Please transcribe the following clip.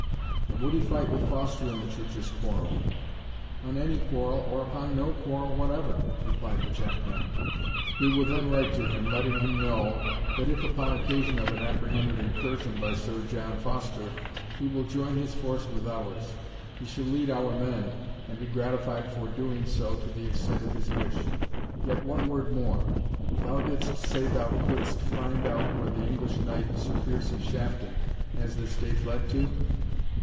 "And would he fight with Foster in the Church's quarrel?" "On any quarrel, or upon no quarrel whatever," replied the jackman. "We will then write to him, letting him know, that if upon occasion of an apprehended incursion by Sir John Foster, he will join his force with ours, he shall lead our men, and be gratified for doing so to the extent of his wish. Yet one word more Thou didst say thou couldst find out where the English knight Piercie Shafton has this day fled to?"